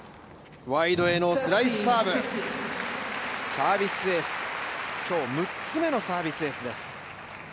ワイドへのスライスサーブ、サービスエース、今日６つ目のサービスエースです。